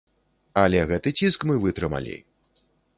Але гэты ціск мы вытрымалі!